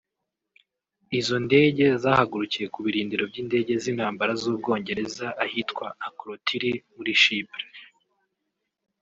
Izo ndege zahagurukiye ku birindiro by’indege z’intambara z’u Bwongereza ahitwa Akrotiri muri Chypre